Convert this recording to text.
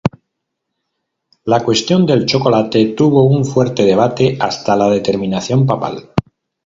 La cuestión del chocolate tuvo un fuerte debate hasta la determinación papal.